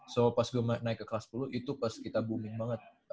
so pas naik ke kelas sepuluh itu pas kita booming banget